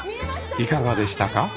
いかがでしたか？